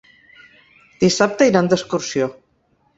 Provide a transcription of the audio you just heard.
Dissabte iran d'excursió.